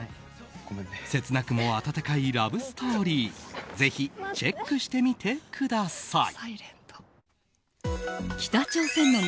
切なくも温かいラブストーリーぜひチェックしてみてください。